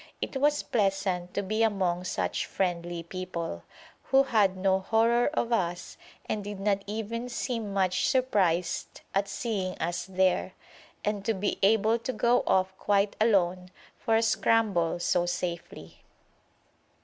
It was pleasant to be among such friendly people, who had no horror of us and did not even seem much surprised at seeing us there, and to be able to go off quite alone for a scramble so safely.